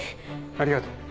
ありがとう。